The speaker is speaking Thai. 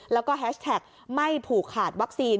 แล้วก็แฮชแท็กไม่ผูกขาดวัคซีน